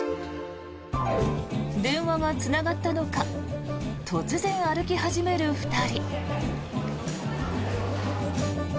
電話がつながったのか突然、歩き始める２人。